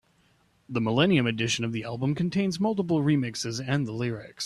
The millennium edition of the album contains multiple remixes and the lyrics.